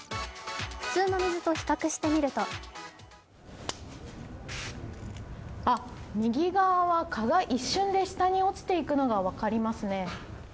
普通の水と比較してみると右側は蚊が一瞬で下に落ちていくのが分かりますね。